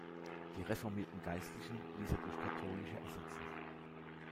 Die reformierten Geistlichen ließ er durch katholische ersetzen.